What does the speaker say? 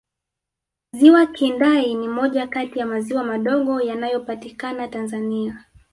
ziwa kindai ni moja Kati ya maziwa madogo yanayopatikana tanzania